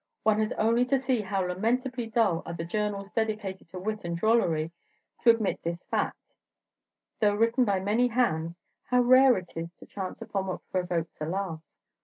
"One has only to see how lamentably dull are the journals dedicated to wit and drollery, to admit this fact; though written by many hands, how rare it is to chance upon what provokes a laugh.